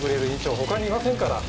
他にいませんから。